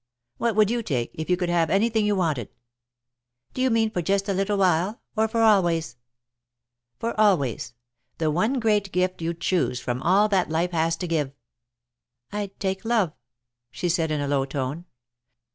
What would you take, if you could have anything you wanted?" "Do you mean for just a little while, or for always?" "For always. The one great gift you'd choose from all that Life has to give." "I'd take love," she said, in a low tone.